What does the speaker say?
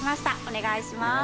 お願いします。